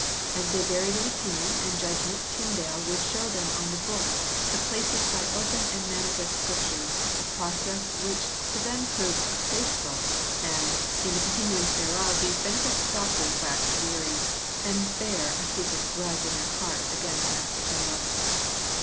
As they varied in opinion and judgment Tyndale would show them on the book the places by open and manifest Scripture, a process which to them proved distasteful, and " in the continuance thereof these beneficed doctors waxed weary and bare a secret grudge in their hearts against Master Tyndale."